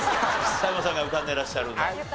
田山さんが浮かんでらっしゃるの。